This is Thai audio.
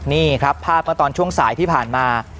นี่ครับภาพเมื่อตอนช่วงสายที่ผ่านมา